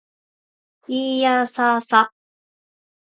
いーやーさーさ